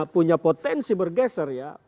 punya potensi bergeser ya